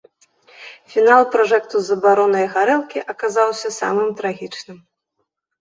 Фінал пражэкту з забаронай гарэлкі аказаўся самым трагічным.